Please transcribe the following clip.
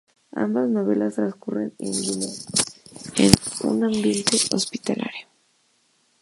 Ambas novelas transcurren en Guinea, en un ambiente hospitalario.